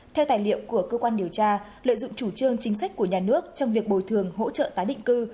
theo tài liệu của cơ quan điều tra lợi dụng chủ trương chính sách của nhà nước trong việc bồi thường hỗ trợ tái định cư